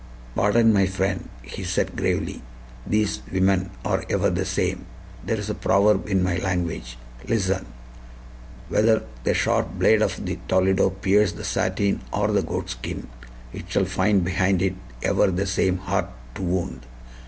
"Pardon, my friend," he said gravely; "thees women are ever the same. There is a proverb in my language. Listen: 'Whether the sharp blade of the Toledo pierce the satin or the goatskin, it shall find behind it ever the same heart to wound.'